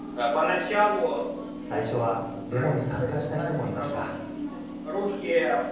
最初は、デモに参加した人もいました。